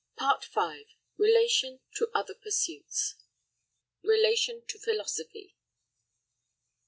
PART V. RELATION TO OTHER PURSUITS RELATION TO PHILOSOPHY.